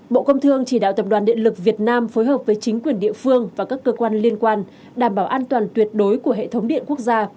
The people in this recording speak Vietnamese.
bộ công thương chỉ đạo tập đoàn điện lực việt nam phối hợp với chính quyền địa phương và các cơ quan liên quan đảm bảo an toàn tuyệt đối của hệ thống điện quốc gia